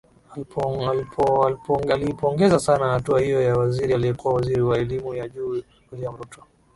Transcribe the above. aliipongeza sana hatua hiyo ya waziri aliyekuwa waziri wa elimu ya juu wiliam ruto